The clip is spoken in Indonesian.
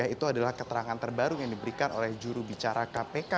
itu adalah keterangan terbaru yang diberikan oleh jurubicara kpk